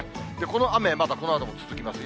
この雨、まだこのあとも続きます。